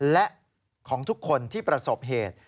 และของทุกคนที่ประสบเหตุ